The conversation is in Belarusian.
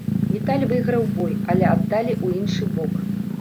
Віталь выйграў бой, але аддалі ў іншы бок.